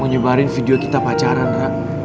dia nyebarin video kita pacaran ra